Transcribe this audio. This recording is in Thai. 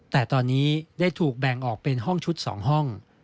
แต่ตอนนี้ได้ถูกแบ่งออกเป็นห้องชุด๒ห้อง